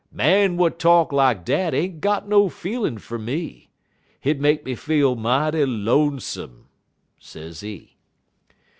Man w'at talk lak dat ain't got no feelin' fer me. Hit make me feel mighty lonesome,' sezee.